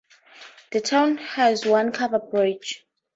The town has one covered bridge.